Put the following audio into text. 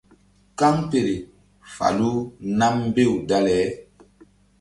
Kaŋpele falu nam mbew dale.